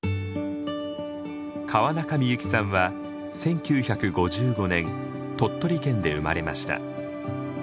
川中美幸さんは１９５５年鳥取県で生まれました。